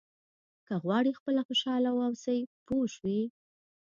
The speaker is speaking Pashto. که غواړئ خپله خوشاله واوسئ پوه شوې!.